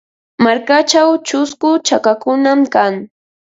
Markachaw chusku chakakunam kan.